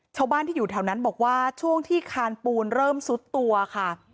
ชาวบ้านที่อยู่แถวนั้นบอกว่าช่วงที่คานปูนเริ่มซุดตัวค่ะ